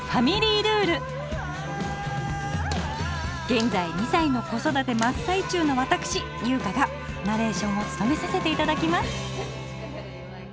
現在２歳の子育て真っ最中の私優香がナレーションをつとめさせていただきます！